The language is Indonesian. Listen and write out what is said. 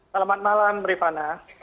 selamat malam rifana